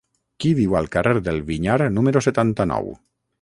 Qui viu al carrer del Vinyar número setanta-nou?